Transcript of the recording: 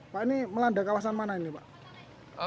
pak ini melanda kawasan mana ini pak